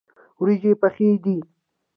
وریژې پخې دي.